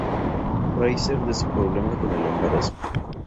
Fraiser de su problema con el embarazo.